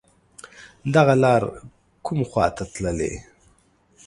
دغه لار کوم خواته تللی